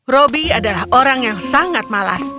robby adalah orang yang sangat malas